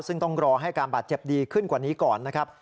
ซึ่งต้องรอให้การบาดเจ็บดีขึ้นกว่านี้ก่อนนะครับ